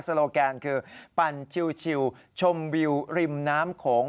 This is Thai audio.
โลแกนคือปั่นชิวชมวิวริมน้ำโขง